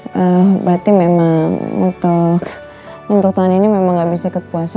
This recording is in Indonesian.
berarti memang untuk tahun ini memang gak bisa ikut puasa